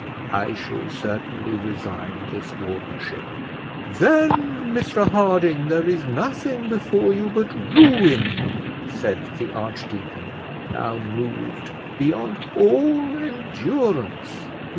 "I shall certainly resign this wardenship." "Then, Mr Harding, there is nothing before you but ruin," said the archdeacon, now moved beyond all endurance.